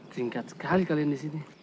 singkat sekali kalian di sini